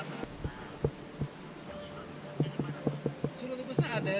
surat tugas saya ada di sini